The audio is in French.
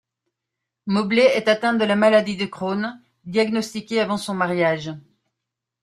Mobley est atteinte de la maladie de Crohn, diagnostiquée avant son mariage.